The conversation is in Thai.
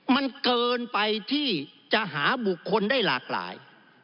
มันเกินไปที่จะหาบุคคลได้หลากหลาย